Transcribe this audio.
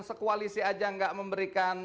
sekualisi aja nggak memberikan